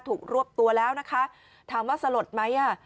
รวบตัวแล้วนะคะถามว่าสลดไหมอ่ะ